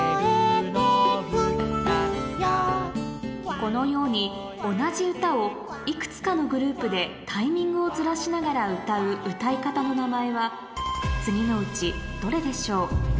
このように同じ歌をいくつかのグループでタイミングをずらしながら歌う歌い方の名前は次のうちどれでしょう？